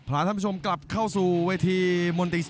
รับทราบบรรดาศักดิ์